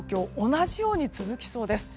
同じように続きそうです。